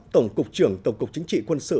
tổng cục trưởng tổng cục chính trị quân sự